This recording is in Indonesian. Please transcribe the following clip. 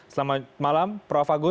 selamat malam prof agus